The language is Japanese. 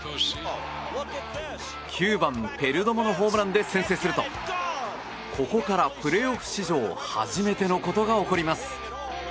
９番、ペルドモのホームランで先制するとここからプレーオフ史上初めてのことが起こります。